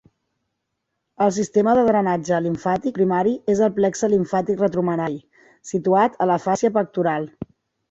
El sistema de drenatge limfàtic primari és el plexe limfàtic retromamari, situat a la fàscia pectoral.